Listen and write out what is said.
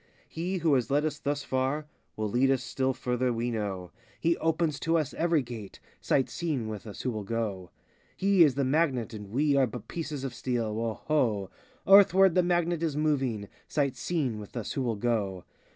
90 He who has led us thus far Will lead us still further, we know : He opens to us every gate, Sight seeing with us, who will go? He is the magnet and we Are but pieces of steel: woh ho! Earthward the Magnet is moving!— Sight seeing with us, who will go?